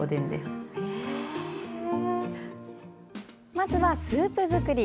まずはスープ作り。